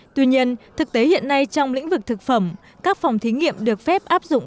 tuy nhiên thực tế hiện nay trong lĩnh vực thực phẩm các phòng thí nghiệm được phép áp dụng